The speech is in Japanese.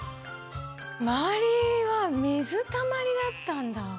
周りは水たまりだったんだ。